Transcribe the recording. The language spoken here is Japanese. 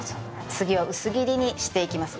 次は薄切りにしていきますよ。